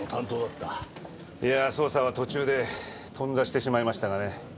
いや捜査は途中で頓挫してしまいましたがね。